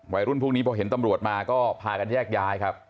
รุ่นพวกนี้พอเห็นตำรวจมาก็พากันแยกย้ายครับ